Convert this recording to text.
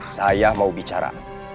saya mau bicara